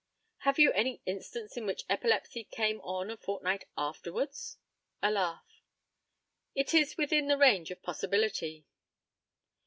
Have you any instance in which epilepsy came on a fortnight afterwards? (A laugh.) It is within the range of possibility.